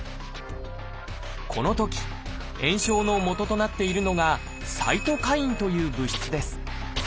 このとき炎症のもととなっているのが「サイトカイン」という物質です。